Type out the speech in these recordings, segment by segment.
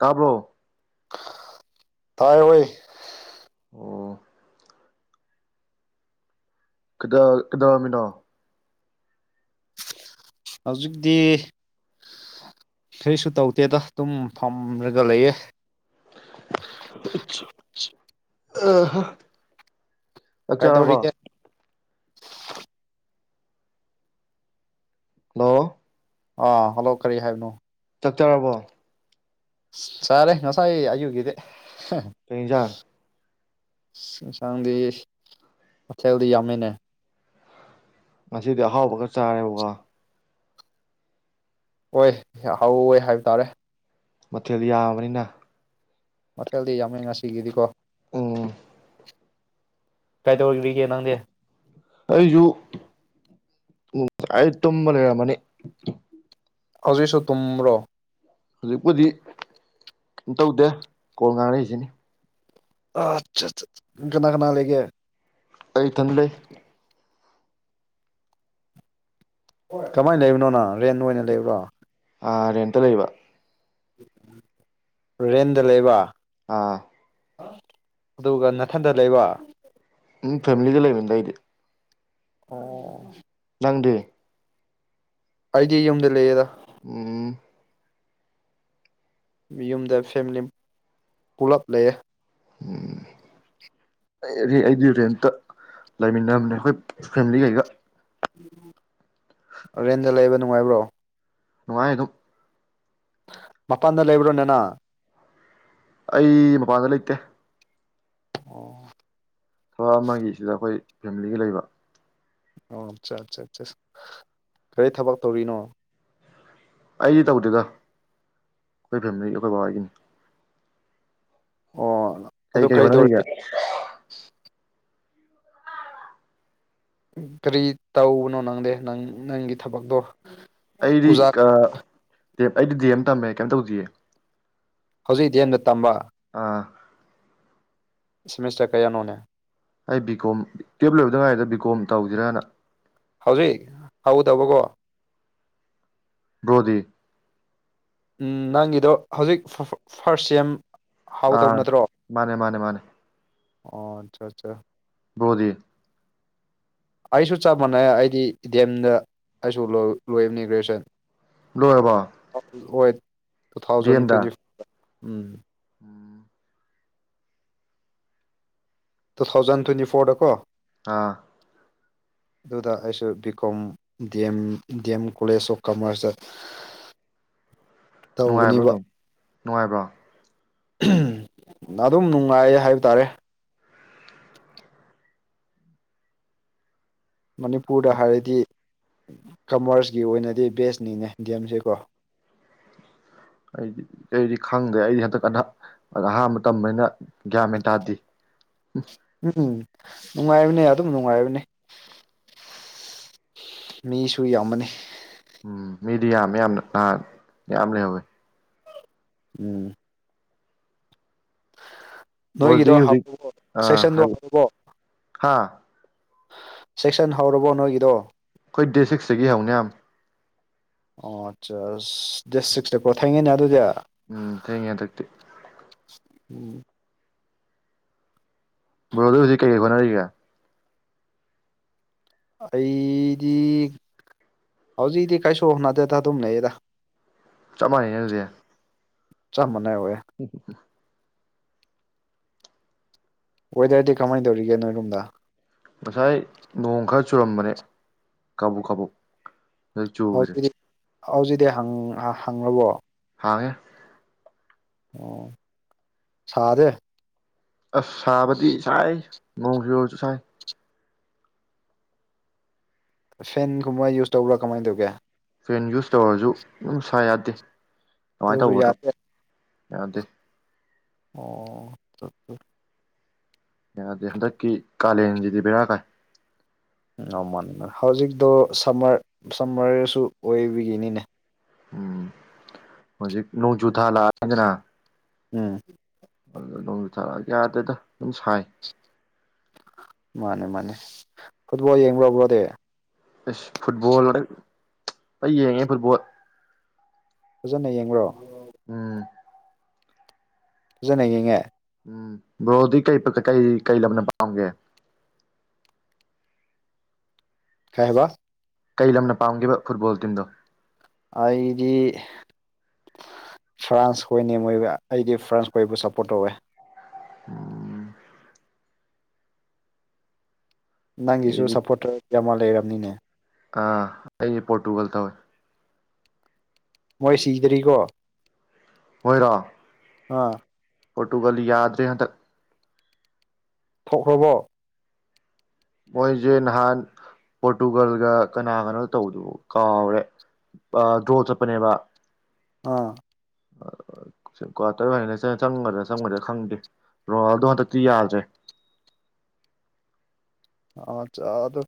ꯇꯥꯕ꯭ꯔꯣ ꯇꯥꯏ ꯑꯣꯏꯣꯏ ꯑꯣ ꯀꯗꯥ ꯀꯗꯥꯃꯤꯅꯥ ꯍꯧꯖꯤꯛꯇꯤ ꯀꯩꯁꯨ ꯇꯧꯗꯦꯗ ꯑꯗꯨꯝ ꯐꯝꯔꯒ ꯂꯩꯌꯦꯦ ꯑ ꯑ ꯑꯛꯆꯔꯕ ꯀꯩꯗꯧꯔꯤꯒꯦ ꯍ ꯑꯥ ꯍꯜꯂꯣ ꯀꯔꯤ ꯍꯥꯏꯕꯅꯣ ꯆꯥꯛꯆꯔꯕꯣ ꯁꯔꯦ ꯉꯁꯥꯏ ꯑꯌꯨꯒꯗꯦ ꯇꯦꯟꯖꯥꯡ ꯁꯥꯡ ꯍꯊꯗꯤ ꯌꯥꯃꯤꯤꯟ ꯉꯁꯤꯗꯤ ꯑꯍꯥꯎꯕꯒ ꯆꯥꯔꯦꯕꯀꯣ ꯑꯣꯏ ꯍꯧꯑꯣꯏ ꯍꯥꯏꯕ ꯇꯥꯔꯦ ꯃꯊꯦꯜꯗꯤ ꯌꯥꯝꯕꯅꯤꯅ ꯃꯊꯦꯜꯗꯤ ꯌꯥꯝꯃꯦ ꯉꯁꯤꯒꯤꯗꯤꯀꯣ ꯎꯝ ꯀꯥꯏꯗꯧ ꯑꯣꯏꯔꯤꯒꯦ ꯅꯪꯗꯦ ꯑꯩꯁꯨꯨ ꯑ ꯇꯣꯝꯕꯅꯔ ꯃꯅꯤ ꯑꯖꯤꯣꯏꯁꯨꯣ ꯇꯨꯨꯝ꯭ꯔ ꯍꯧꯖꯤꯛꯄꯨꯗꯤ ꯀꯝ ꯇꯧꯗꯦ ꯀꯣꯣꯟ ꯉꯥꯡꯅꯛꯏꯁꯤꯅꯤ ꯑꯆꯥ ꯀꯅꯥ ꯀꯅꯥ ꯂꯩꯒꯦ ꯑꯩ ꯊꯟꯗ ꯂꯩ ꯀꯃꯥꯏꯅ ꯂꯩꯕꯅꯣꯅ ꯔꯦꯟ ꯑꯣꯏꯅ ꯂꯩꯕ꯭ꯔꯣ ꯔꯦꯟꯇ ꯂꯩꯕ ꯔꯦꯟꯗ ꯂꯩꯕ ꯑꯥ ꯑꯗꯨꯒ ꯅꯥꯊꯟꯗ ꯂꯩꯕ ꯎꯝ ꯐꯦꯃꯤꯂꯤꯗ ꯂꯩꯃꯗ ꯑꯩꯗꯤ ꯑꯣ ꯅꯪꯗꯦ ꯑꯥꯏꯗꯤꯦꯝꯗ ꯂꯩ ꯎꯝ ꯌꯨꯝꯗ ꯐꯦꯃꯤꯂꯤ ꯄꯨꯂꯞ ꯂꯩꯑꯦ ꯎꯝꯦꯗꯤꯔꯦꯇ ꯂꯩꯃꯤꯟꯅꯕꯅꯦ ꯑꯩꯈꯣꯏ ꯐꯦꯃꯤꯂꯤ ꯀꯩꯒ ꯔꯦꯟꯗ ꯂꯩꯕ ꯅꯨꯡꯉꯥꯏꯕ꯭ꯔꯣ ꯅꯨꯡꯉꯥꯏ ꯑꯗꯨꯝ ꯃꯄꯥꯟꯗ ꯂꯩꯕ꯭ꯔꯣꯅꯦꯅ ꯑꯩ ꯃꯄꯥꯟꯗ ꯂꯩꯇꯦ ꯑꯣ ꯊꯕꯛ ꯑꯃꯒꯤ ꯁꯤꯗ ꯑꯩꯈꯣꯏ ꯐꯦꯃꯤꯂꯤꯒ ꯂꯩꯕ ꯑꯣ ꯑꯠꯆꯥ ꯑꯠꯆꯥ ꯑꯠ ꯀꯔꯤ ꯊꯕꯛ ꯇꯧꯔꯤꯅꯣ ꯑꯩꯗꯤ ꯇꯧꯗꯦꯗ ꯑꯩꯈꯣꯏ ꯐꯦꯃꯤꯂꯤ ꯑꯩꯈꯣꯏ ꯕꯕꯥꯒꯤꯅꯤ ꯑꯣ ꯑꯗꯨ ꯀꯩ ꯀꯩ ꯀꯔꯤ ꯍꯅꯔꯒ ꯇꯧꯔꯤꯒꯦ ꯀꯔꯤ ꯇꯧꯕꯅꯣ ꯅꯪꯗꯦ ꯅꯪ ꯅꯪꯒꯤ ꯊꯕꯛꯇꯣ ꯑꯩꯗꯤ ꯑꯣꯖꯥ ꯑꯩꯗꯤ ꯗꯦꯝꯦꯝ ꯇꯝꯃꯦ ꯀꯩꯅꯝ ꯇꯧꯗꯌꯦ ꯍꯧꯖꯤꯛ ꯗꯦꯝꯗ ꯇꯝꯕ ꯑꯥ ꯁꯤꯃꯦꯁꯇꯔ ꯀꯌꯥ ꯏꯅꯦ ꯑꯩ ꯕꯤ ꯀꯣꯝ ꯀꯦꯞ ꯂꯣꯏꯕꯗ ꯉꯥꯏꯔꯤꯗ ꯕꯤ ꯀꯣꯝ ꯇꯧꯁꯤꯔꯅ ꯍꯧꯖꯤꯛ ꯍ ꯇꯧꯕꯀꯣ ꯭ꯔꯣꯗꯤ ꯅꯪꯒꯤꯗꯣ ꯍꯧꯖꯤꯛ ꯐꯥꯔꯁ ꯁꯦꯝꯦꯝ ꯑꯥ ꯃꯥꯅꯦ ꯃꯥꯅꯦ ꯃꯥꯅꯦ ꯑꯣ ꯑꯠꯆꯥ ꯑꯠꯆꯥ ꯭ꯔꯣꯗꯤ ꯑꯩꯁꯨ ꯆꯞ ꯃꯥꯟꯅꯩ ꯑꯩꯗꯤꯗꯤꯦꯝꯗ ꯑꯩꯁꯨ ꯂꯣꯏꯕꯅꯤ ꯒ꯭ꯔꯦꯖꯨꯌꯦꯁꯟ ꯂꯣꯏꯔꯕ ꯑꯣꯏ ꯇꯨ ꯊꯥꯎꯖꯟ ꯇ꯭ꯋꯦꯟꯇꯤ ꯎꯝ ꯎꯝ ꯇꯨ ꯊꯥꯎꯖꯟ ꯇ꯭ꯋꯦꯟꯇꯤ ꯐꯣꯔꯗ ꯀꯣ ꯑꯥ ꯑꯗꯨꯗ ꯑꯩꯁꯨ B Kom D M D M college of ꯀꯃꯔꯁꯇ [unintelligible] ꯇꯧꯕꯅꯦꯕ ꯅꯨꯡꯉꯥꯏꯕ꯭ꯔ ꯑꯗꯨꯝ ꯅꯨꯡꯉꯥꯏ ꯍꯥꯏꯕ ꯇꯥꯔꯦ ꯃꯅꯤꯄꯨꯔꯗ ꯍꯥꯏꯔꯗꯤ ꯀꯃꯔꯁꯀꯤ ꯑꯣꯏꯅꯗꯤ ꯕꯦꯁꯅꯤꯅꯦ ꯗꯤ ꯑꯦꯝꯁꯦꯀꯣ ꯑꯩꯗꯤ ꯀꯩꯗꯤ ꯈꯪꯗꯦ ꯑꯩꯗꯤ ꯍꯟꯗꯛꯀ ꯑ ꯑꯍꯥꯟꯕ ꯇꯝꯕꯅꯤꯅ ꯒ꯭ꯌꯥꯟ ꯃꯦꯟ ꯇꯥꯗꯦ ꯎꯝ ꯎꯝ ꯅꯨꯡꯉꯥꯏꯕꯅꯦ ꯑꯗꯨꯝ ꯅꯨꯡꯉꯥꯏꯕꯅꯤ ꯃꯤꯁꯨ ꯌꯥꯝꯃꯅꯤ ꯃꯦꯗꯤꯌꯥ ꯃꯌꯥꯝ ꯑ ꯌꯥꯝꯌꯥꯝ ꯂꯩꯍꯧꯋꯦ ꯎꯝ ꯅꯣꯏꯒꯤꯗꯣ ꯕ꯭ꯔꯣꯗꯤ ꯍꯧꯖꯤꯛ ꯍꯥꯎꯕꯣ ꯑꯥ ꯁꯦꯛꯁꯟꯗꯣ ꯍꯥꯏ ꯍꯥꯎꯕꯣ ꯍꯥ ꯑꯩꯈꯣꯏ ꯆꯦꯛꯁꯟ ꯍꯧꯔꯕꯣ ꯅꯣꯏꯒꯤꯗꯣ ꯑꯩꯈꯣꯏ ꯗꯦꯠ ꯁꯤꯛꯁꯇꯒꯤ ꯍꯧꯅꯦ ꯌꯥꯝ ꯑꯣ ꯑꯠꯆꯥ ꯗꯦꯠ ꯁꯤꯛꯁꯇꯀꯣ ꯊꯦꯡꯉꯤꯅꯦ ꯑꯗꯨꯗꯤ ꯎꯝ ꯊꯦꯡꯉꯦ ꯇ ꯎꯝ ꯕꯣꯔꯣꯗ ꯍꯧꯖꯤꯛ ꯀꯩꯀꯩ ꯍꯣꯠꯅꯔꯤꯒꯦ ꯑꯩꯗꯤ ꯍꯧꯖꯤꯛꯗꯤ ꯀꯥꯏꯁꯨ ꯍꯅꯗꯦꯗ ꯑꯗꯨꯝ ꯂꯩꯌꯦꯗ ꯆꯞ ꯃꯥꯟꯅꯩꯅꯦ ꯑꯗꯨꯗꯤ ꯆꯞ ꯃꯅ ꯑꯣꯏ ꯋꯦꯗꯔꯗꯤ ꯀꯃꯥꯏꯅ ꯇꯧꯔꯤꯒꯦ ꯅꯣꯏꯔꯣꯝꯗ ꯉꯁꯥꯏ ꯅꯣꯡ ꯈꯔ ꯆꯨꯔꯝꯕꯅꯦ ꯀꯕꯛ ꯀꯥꯕꯛ ꯆꯒꯔꯤ ꯍꯧꯖꯤꯗꯤ ꯍꯪꯉꯕꯣ ꯊꯥꯒꯦ ꯑꯣ ꯁꯥꯗꯦ ꯑꯁ ꯁꯥꯕꯗꯤ ꯁꯥꯏ ꯅꯣꯡꯁꯤꯨꯔꯁꯨ ꯁꯥꯏ ꯐꯦꯟꯒꯨꯝꯕ ꯌꯨꯁ ꯇꯧꯕ꯭ꯔꯥ ꯀꯃꯥꯏꯅ ꯇꯧꯒꯦ ꯐꯦꯟ ꯌꯨꯁ ꯇꯧꯔꯁꯨ ꯅꯨꯡꯁꯥ ꯌꯥꯗꯦ ꯑꯗꯨꯁꯨ ꯌꯥꯔꯦ ꯌꯥꯗꯗꯤ ꯑꯣ ꯁꯦ ꯌꯥꯗꯦ ꯍꯟꯗꯛꯀꯤ ꯀꯥꯂꯦꯟꯁꯤꯗꯤ ꯕꯦꯔꯥ ꯀꯥꯏ ꯃꯥ ꯍꯧꯖꯤꯛꯇꯣ ꯁꯝꯃꯔ ꯁꯝꯃꯔꯁꯨ ꯑꯣꯏꯕꯒꯤꯅꯤꯅꯦ ꯎꯝ ꯍꯧꯖꯤꯛ ꯅꯣꯡꯖꯨ ꯊꯥ ꯂꯥꯛꯑꯗꯅ ꯎꯝ ꯅꯣꯡꯖꯨ ꯊꯥꯔꯛꯑꯒꯦ ꯌꯥꯗꯗ ꯑꯗꯨꯝ ꯁꯥꯏ ꯃꯥꯅꯦ ꯃꯥꯅꯦ ꯐꯨꯠꯕꯣꯜ ꯌꯦꯡꯕ꯭ꯔꯕ꯭ꯔꯣꯗꯤ ꯑ ꯐꯨꯠꯕꯣꯜꯔ ꯌꯦꯡꯉꯦ ꯐꯨꯠꯕꯣꯜ ꯐꯖꯅ ꯌꯦꯡꯕ꯭ꯔꯣ ꯎꯝ ꯐꯖꯅꯉꯉ ꯎꯝ ꯕ꯭ꯔꯣꯗꯤ ꯀꯩ ꯀꯩ ꯀꯩ ꯂꯝꯅ ꯄꯥꯝꯒꯦ ꯀꯍꯕ ꯀꯩ ꯂꯝꯅ ꯄꯥꯝꯕ ꯐꯨꯠꯕꯣꯜ ꯇꯤꯝꯗꯣ ꯑꯩꯗꯤ ꯐ꯭ꯔꯥꯟꯁ ꯍꯣꯏꯅꯤ ꯃꯣꯏ ꯑꯩꯗꯤ ꯐ꯭ꯔꯥꯟꯁ ꯍꯣꯏꯕꯨ ꯁꯄꯣꯔꯠ ꯇꯧꯋꯦ ꯎꯝ ꯅꯪꯒꯤꯁꯨ ꯑꯩꯗꯤ ꯁꯞꯄꯣꯔꯇꯔ ꯑꯃ ꯂꯩꯔꯕꯅꯤꯅꯦ ꯑꯥ ꯑꯩꯁꯦ ꯄꯣꯣꯔꯇꯨꯒꯜ ꯇꯧꯋꯦ ꯃꯣꯏ ꯁꯤꯗ꯭ꯔꯤꯀꯣ ꯃꯣꯏꯔ ꯑꯥ ꯄꯣꯔꯇꯨꯒꯜ ꯌꯥꯗ꯭ꯔꯦ ꯍꯟꯗꯛ ꯊꯣꯛꯈ꯭ꯔꯕꯣ ꯃꯣꯏꯁꯦ ꯅꯍꯥꯟ ꯄꯣꯔꯇꯨꯒꯜꯒ ꯀꯅꯥ ꯀꯅꯣ ꯇꯧꯕꯗꯨꯕꯨ ꯀꯥꯎꯔꯦ ꯗ꯭ꯔꯣ ꯆꯠꯄꯅꯦꯕ ꯑꯥ ꯃꯔ ꯇꯔ ꯆꯪꯒꯗ꯭ꯔꯥ ꯆꯪꯒꯗ꯭ꯔꯥ ꯈꯪꯗꯦ ꯔꯣꯅꯥꯜꯗꯣ ꯍꯟꯗꯛꯇꯤ ꯌꯥꯗ꯭ꯔꯦ [inaudible] [inaudible] ꯑꯠꯆꯥ ꯑꯗꯨ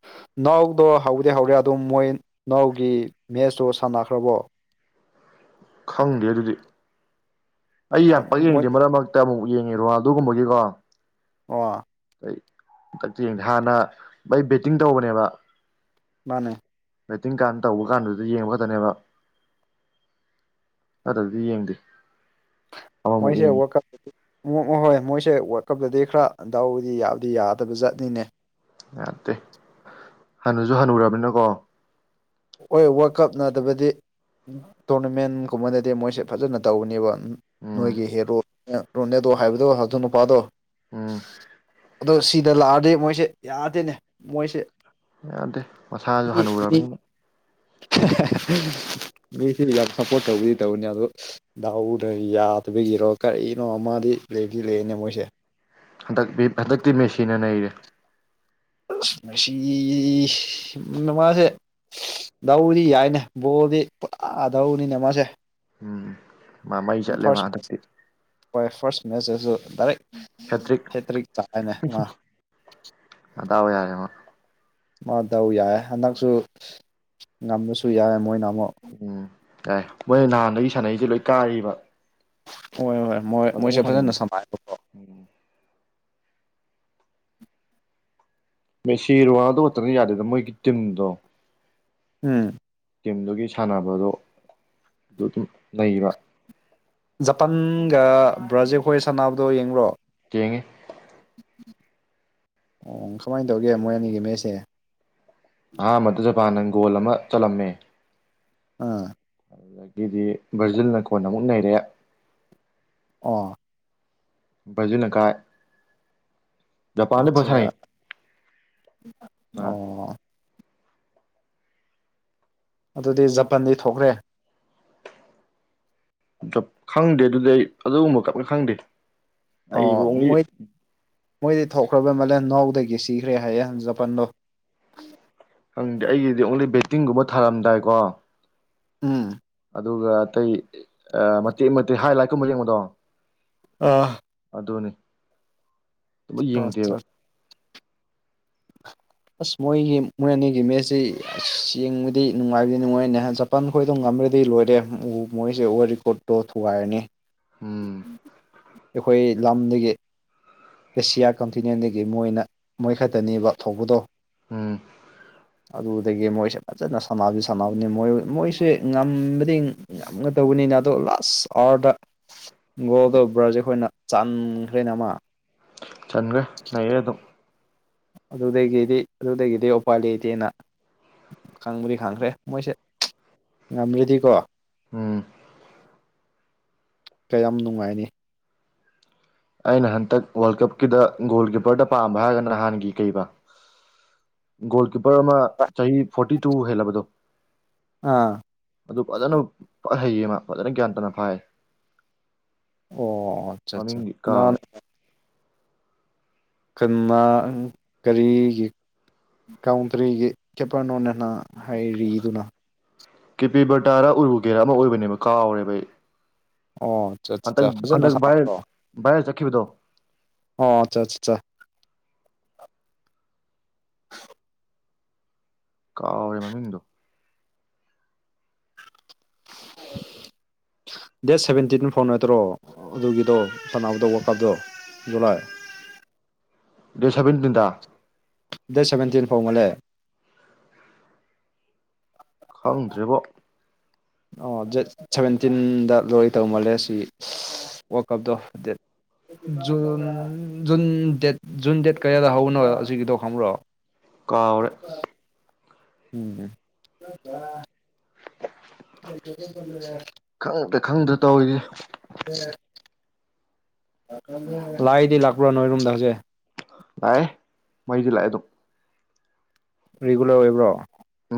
ꯅꯥꯎꯗꯣ ꯍꯧꯗꯤꯦ ꯍꯧꯔꯦ ꯑꯗꯨꯝ ꯃꯣꯏ ꯅꯥꯎꯒꯤ ꯃꯦꯁꯇꯨ ꯁꯥꯟꯅꯈ꯭ꯔꯕꯣ ꯈꯪꯗꯦ ꯑꯗꯨꯗꯤ ꯑꯩ ꯌꯥꯝ ꯄꯛ ꯃꯣꯏ ꯌꯦꯡꯗꯦ ꯃꯔꯛ ꯃꯔꯛꯇ ꯑꯃꯨꯛ ꯌꯦꯡꯉꯤꯔꯣ ꯑꯗꯨꯒꯨꯝꯕꯒꯤꯀꯣ ꯋꯥ ꯍꯟꯡ ꯍꯥꯟꯅ ꯑꯩꯩ ꯕꯦꯠꯇꯤꯡ ꯇꯧꯕꯅꯦꯕ ꯃꯥꯅꯦ ꯔꯦꯇꯤꯡ ꯀꯥꯟ ꯇꯧꯕ ꯀꯥꯟꯗꯨꯗ ꯌꯦꯡꯕ ꯈꯛꯇꯅꯦꯕ ꯑꯗꯨꯗꯤ ꯌꯦꯡꯗꯦ ꯑꯃꯃꯨꯛ ꯃꯣꯏꯁꯦ ꯌꯦꯡꯉꯤ ꯍꯣꯏ ꯃꯣꯏꯁꯦꯠ ꯀꯞꯄꯗꯤ ꯈꯔꯗꯥꯎꯗꯤ ꯌꯥꯗꯤ ꯌꯥꯗꯕ ꯖꯠꯅꯤꯅꯦ ꯌꯥꯠꯇꯦ ꯍꯅꯁꯨ ꯍꯅꯨꯔꯕꯅꯤꯅꯀꯣ ꯍꯣꯏ ꯋꯥꯔꯜ ꯀꯞ ꯅꯅꯥꯗꯕꯗꯤ ꯇꯣꯔꯅꯃꯦꯟꯒꯨꯝꯕꯗꯗꯤ ꯃꯣꯏꯁꯦ ꯐꯖꯅ ꯇꯧꯅꯦꯕ ꯎꯝ ꯅꯣꯏꯒꯤ ꯍꯦꯔꯣ ꯔꯣꯅꯦꯗꯣ ꯍꯥꯏꯕꯗꯣ ꯑꯗꯨ ꯅꯨꯄꯥꯗꯣ ꯎꯝ ꯑꯗꯣ ꯁꯤꯗ ꯂꯥꯛꯑꯗꯤ ꯃꯣꯏꯁꯦ ꯌꯥꯔꯗꯦꯅꯦ ꯃꯣꯏꯁꯦ ꯌꯥꯗꯦ ꯃꯁꯥꯁꯨ ꯍꯅꯨꯔꯕꯅꯤꯅ [inaudible] ꯃꯤꯣꯏꯁꯤ ꯌꯥꯝ ꯁꯞꯄꯣꯔꯠ ꯇꯧꯕꯗꯤ ꯇꯧꯅꯤ ꯑꯗꯣ ꯗꯥꯎꯗ ꯌꯥꯗꯕꯒꯤꯔꯣ ꯀꯔꯤꯅꯣ ꯑꯃꯗꯤ ꯂꯩꯗꯤ ꯂꯩꯅꯦ ꯃꯣꯏꯁꯦ ꯍꯟꯗꯛ ꯍꯟꯗꯛꯇꯤ ꯃꯦꯁꯤꯟꯅ ꯅꯔꯦ ꯃꯁꯤꯁꯤ ꯃ ꯃꯥꯁꯦ ꯂꯧꯧꯗꯤ ꯌꯥꯏꯅꯦ ꯕꯣꯔꯗꯤ ꯄꯨꯔꯥꯗꯧꯅꯤꯅꯦ ꯃꯥꯁꯦ ꯎꯝ ꯃꯥ ꯃꯩ ꯆꯠꯂꯦ ꯃꯥ ꯐꯥꯔꯁ ꯍꯟꯗꯛꯇꯤ ꯍꯣꯏ ꯐꯥꯔꯁ ꯃꯦꯁꯦꯁꯨ ꯗꯥꯏꯔꯦꯛ ꯍꯦꯇ꯭ꯔꯤꯛ ꯍꯦfꯇ꯭ꯔꯤꯛ ꯆꯥꯛꯅꯦ ꯃꯥ ꯑꯗꯥꯕ ꯌꯥꯔꯦꯃ ꯃ ꯇꯧ ꯌꯥꯏ ꯍꯟꯗꯛꯁꯨ ꯉꯝꯕꯁꯨ ꯌꯥꯏ ꯃꯣꯏꯅ ꯑꯃꯨꯛ ꯎꯝ ꯌꯥꯏ ꯃꯣꯏ ꯅꯍꯥꯟꯗꯒꯤ ꯁꯥꯟꯅꯩꯁꯦ ꯂꯣꯏ ꯀꯥꯔꯤꯕ ꯍꯣꯏ ꯍꯣꯏ ꯃꯣꯏ ꯃꯣꯏꯁꯦ ꯐꯖꯅ ꯁꯝꯅꯥꯏꯕꯀꯣ ꯃ ꯁꯤꯔꯨ ꯋꯥꯗ ꯈꯛꯇꯅ ꯌꯥꯗꯦꯗ ꯃꯣꯏꯒꯤ ꯇꯤꯝꯗꯣ ꯎꯝ ꯇꯤꯝꯗꯨꯒꯤ ꯁꯥꯟꯅꯕꯗꯨꯣ ꯑꯗꯨ ꯑꯗꯨꯝ ꯂꯩꯕ ꯖꯄꯥꯟꯒ ꯕ꯭ꯔꯥꯖꯤꯜ ꯍꯣꯏ ꯁꯥꯟꯅꯕꯗꯣ ꯌꯦꯡꯕ꯭ꯔꯣ ꯀꯦꯡꯒꯦ ꯑꯣ ꯀꯃꯥꯏꯅ ꯇꯧꯒꯦ ꯃꯣꯏ ꯑꯅꯤꯒꯤ ꯃꯁꯦ ꯑꯍꯥꯥꯟꯕꯗ ꯖꯄꯥꯟꯅꯪ ꯒꯣꯜ ꯑꯃ ꯆꯠꯂꯝꯃꯦ ꯎꯝ ꯑꯗꯨꯗꯒꯤꯗꯤ ꯕ꯭ꯔꯖꯤꯜꯅ ꯀꯣꯟ ꯑꯃꯨꯛ ꯅꯩꯔꯦ ꯑꯣ ꯖꯅꯀꯥꯏ ꯄꯥꯟ ꯂ ꯁꯥꯏ ꯑꯠꯆꯥ ꯑ ꯑꯣ ꯑꯗꯨꯗꯤ ꯖꯄꯟꯗꯤ ꯊꯣꯛꯈ꯭ꯔꯦ ꯞ ꯈꯪꯗꯦ ꯑꯗꯨꯗꯤ ꯑꯩ ꯑꯗꯨꯒꯨꯝꯕ ꯀꯞꯅ ꯈꯪꯗꯦ ꯑꯣ ꯑꯩꯕꯂꯤ ꯃꯣꯏ ꯃꯣꯏꯗꯤ ꯊꯣꯛꯈ꯭ꯔꯕꯩ ꯃꯂꯦ ꯅꯥꯎꯗꯒꯤ ꯁꯤꯈ꯭ꯔꯦ ꯍꯥꯏꯌꯦꯦ ꯖꯄꯟꯗꯣ ꯍꯪꯗꯦ ꯑꯩꯒꯤꯗꯤ ꯑꯣꯡꯂꯤ ꯕꯦꯠꯇꯤꯡꯒꯨꯝꯕ ꯊꯥꯔꯝꯗꯥꯏꯀꯣ ꯎꯝ ꯑꯗꯨꯒ ꯑꯇꯩ ꯃꯇꯦꯛ ꯃꯇꯦꯛ ꯍꯥꯏ ꯂꯥꯏꯠꯀꯨꯝꯕ ꯌꯦꯡꯕꯗꯣ ꯑ ꯑꯗꯨꯅꯤ ꯑꯗꯨ ꯌꯦꯡꯗꯦꯕ ꯑꯠꯆꯥ [unintelligible] ꯑꯁ ꯃꯣꯏꯒꯤ ꯃꯣꯏ ꯑꯅꯤꯒꯤ ꯃꯦꯠꯁꯁꯤ ꯌꯦꯡꯕꯗꯤ ꯅꯨꯡꯉꯥꯏꯕꯗꯤ ꯅꯨꯡꯉꯥꯏꯔꯅꯤ ꯖꯄꯥꯟ ꯈꯣꯏꯗꯣ ꯉꯝꯃꯦ ꯈꯔꯗꯤ ꯂꯣꯏꯔꯦ ꯃꯣꯏꯁꯦ ꯑꯣꯔ ꯔꯦꯀꯣꯔꯠꯇꯣ ꯊꯨꯒꯥꯏꯔꯅꯤ ꯎꯝ ꯑꯩꯈꯣꯏ ꯂꯝꯗꯒꯤ ꯑꯦꯁꯤꯌꯥ ꯀꯟꯇꯤꯅꯦꯟꯗꯒꯤ ꯃꯣꯏꯅ ꯃꯣꯏꯈꯛꯇꯅꯦꯕ ꯊꯧꯕꯗꯣ ꯎꯝ ꯑꯗꯨꯗꯒꯤ ꯃꯣꯏꯁꯦ ꯐꯖꯅ ꯁꯥꯟꯅꯕꯗꯤ ꯁꯥꯟꯅꯕꯅꯤ ꯃꯣꯏ ꯃꯣꯏꯁꯦ ꯉꯝꯕꯗꯤ ꯉꯝꯒ ꯇꯧꯕꯅꯤ ꯑꯗꯨ ꯂꯥꯁ ꯑꯣꯔꯗ ꯒꯣꯜꯗꯣ ꯕ꯭ꯔꯥꯖꯤꯜ ꯑꯩꯈꯣꯏꯅ ꯆꯥꯟꯈ꯭ꯔꯦꯅ ꯑꯃ ꯆꯟꯈ꯭ꯔꯦ ꯂꯩꯔꯦ ꯑꯗꯨꯝ ꯑꯗꯨꯗꯒꯤꯗꯤ ꯑꯗꯨꯗꯒꯤꯗꯤ ꯎꯄꯥ ꯂꯩꯇꯦꯅ ꯈꯪꯕꯗꯤ ꯈꯪꯈ꯭ꯔꯦ ꯃꯣꯏꯁꯦ ꯉꯝ꯭ꯔꯗꯤꯀꯣ ꯎꯝ ꯀꯌꯥꯝ ꯅꯨꯡꯉꯥꯏꯅꯤ ꯑꯩꯅ ꯍꯟꯗꯛ ꯋꯥꯔꯜ ꯀꯞꯀꯤꯗ ꯒꯣꯜ ꯀꯤꯞꯄꯔꯗ ꯄꯥꯝꯕ ꯍꯥꯏꯔꯒꯅ ꯅꯍꯥꯟꯒꯤ ꯀꯩꯕ ꯒꯣꯜ ꯀꯤꯞꯄꯔ ꯑꯃ ꯆꯍꯤ ꯐꯣꯔꯇꯤ ꯇꯨ ꯍꯦꯜꯂꯕꯗꯣ ꯑꯥ ꯑꯗꯨ ꯐꯖꯅ ꯐ ꯍꯩꯌꯦꯃ ꯐꯖꯅ ꯒ꯭ꯌꯥꯟ ꯇꯥꯅ ꯐꯥꯏ ꯑꯣ ꯑꯆꯥ ꯑꯆꯥ ꯃꯃꯤꯡꯗꯤ ꯀꯥꯎꯔꯦ ꯀ ꯈ ꯀꯔꯤꯒꯤ ꯀꯥꯎꯟꯇ꯭ꯔꯤꯒꯤ ꯆꯄꯅꯣꯅꯅ ꯍꯥꯏꯔꯤꯗꯨꯅ ꯀꯦꯄꯤ ꯕꯔꯗꯥꯔ ꯎꯔꯨꯒꯦꯔꯥ ꯑꯃ ꯑꯣꯏꯕꯅꯦꯕ ꯀꯥꯎꯥꯎꯔꯦꯕ ꯑꯩ ꯑꯣ ꯍꯟꯗꯛ ꯑ ꯐꯖꯅ ꯍꯟꯗꯛ ꯁꯣ ꯚꯥꯏꯔꯦꯜ ꯚꯥꯏꯔꯦꯜ ꯆꯠꯈꯤꯕꯗꯣ ꯑꯣ ꯑ [unintelligible] ꯀꯥꯎꯔꯦ ꯃꯃꯤꯡꯗꯣ [unintelligible] ꯗꯦꯠ ꯁꯚꯦꯟꯇꯤꯟ ꯐꯥꯎ ꯅꯠꯇ꯭ꯔꯣ ꯑꯗꯨꯒꯤꯗꯣ ꯁꯅꯥꯅꯕꯗ ꯋꯥꯀꯞꯗꯣ ꯖꯂꯥꯏ ꯗꯦꯁꯕꯤꯤꯟ ꯇꯤꯟꯇ ꯗꯦꯠ ꯁꯚꯦꯟꯇꯤꯟ ꯐꯥꯎꯕꯂꯦ ꯈꯪꯗ꯭ꯔꯦꯕꯣ ꯑꯣ ꯗꯦꯠ ꯁꯚꯦꯟꯇꯤꯟꯗ ꯂꯣꯏ ꯇꯧ ꯃꯥꯜꯂꯦ ꯁꯤ ꯋꯥꯔꯀꯞꯇꯣ ꯗꯦꯠ ꯖꯟ ꯖꯨꯟ ꯗꯦꯠ ꯖꯨꯟ ꯗꯦꯠ ꯀꯌꯥꯗ ꯍꯧꯅꯣ ꯍꯧꯖꯤꯀꯤꯗꯣ ꯈꯪꯕ꯭ꯔꯣ ꯀꯥꯎꯔ ꯎꯝ ꯃꯗꯨ ꯐꯜꯔꯦ ꯈꯪꯗ ꯇꯧꯔꯤꯔꯤ ꯂꯥꯏꯗꯤ ꯂꯥꯛꯄ꯭ꯔ ꯅꯣꯏꯔꯨꯝ ꯗꯖꯦ ꯂꯥꯛꯑꯦ ꯃꯩꯗꯤ ꯂꯥꯛꯑꯦ ꯑꯗꯨꯝ ꯔꯤꯒꯨꯂꯔ ꯑꯣꯏꯕ꯭ꯔꯣ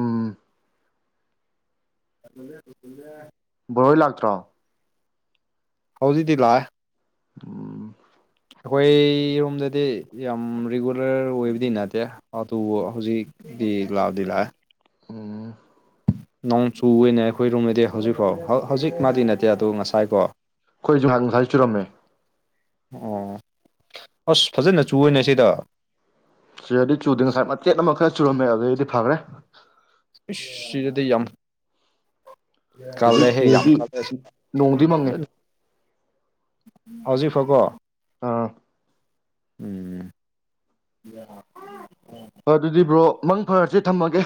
ꯎꯝ ꯦ ꯕꯣꯔꯣꯏ ꯂꯥꯛꯇ꯭ꯔꯣ ꯍꯥꯎꯗꯗꯂ ꯎꯝ ꯑꯩꯈꯣꯏꯔꯣꯝꯗꯗꯤ ꯌꯥꯝ ꯔꯤꯒꯨꯂꯔ ꯑꯣꯏꯕꯗꯤ ꯅꯠꯇꯦ ꯑꯗꯨ ꯍꯧꯖꯤꯛ ꯑꯗꯨꯕꯤ ꯂꯥꯎꯗꯤ ꯂ ꯎꯝ ꯅꯣꯡ ꯆꯨꯅꯦ ꯑꯩꯈꯣꯏ ꯔꯨꯝꯗꯗꯤ ꯍꯧꯖꯤꯛꯐꯥꯎ ꯍꯧꯖꯤꯛ ꯃꯥꯗꯤ ꯅꯠꯇꯦ ꯑꯗꯣ ꯉꯁꯥꯏꯀꯣ ꯑꯩꯣꯏꯖꯍ ꯆꯨꯔꯝꯃꯦ ꯑꯣ ꯑꯁ ꯐꯖꯅ ꯆꯨꯅꯦ ꯁꯤꯗ ꯁꯤꯗꯗꯤ ꯆꯨꯗꯦ ꯉꯁꯥꯏ ꯃꯆꯦꯠ ꯑꯃ ꯈꯔ ꯆꯨꯔꯝꯃꯦ ꯑꯗꯨꯗꯒꯤꯗꯤ ꯐꯈ꯭ꯔꯦ ꯗꯌꯝ ꯀꯥꯏꯗ ꯍꯧꯖꯤꯛ ꯍꯦ ꯌꯥꯝꯝ ꯁꯤꯗꯗꯤ ꯅꯣꯡꯗꯤ ꯃꯪꯉꯦ ꯀꯜꯂ ꯍꯧꯖꯤꯐꯒꯣ ꯑꯥ ꯎꯝ ꯑꯗꯨꯗꯤ ꯕ꯭ꯔꯣ ꯃꯪ ꯐꯔꯁꯤ ꯊꯝꯃꯒꯦ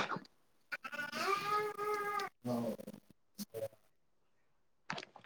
ꯍ